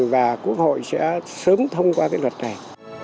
và quốc hội sẽ sớm thông qua cái luật này